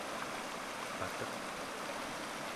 pateq